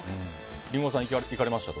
リンゴさん、行かれました？